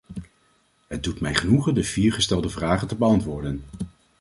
Het doet mij genoegen de vier gestelde vragen te beantwoorden.